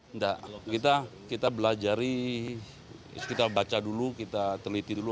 tidak kita belajar kita baca dulu kita teliti dulu